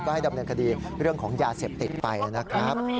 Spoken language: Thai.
ให้ดำเนินคดีเรื่องของยาเสพติดไปนะครับ